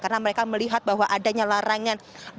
karena mereka melihat bahwa adanya larangan dilaksanakannya aksi ini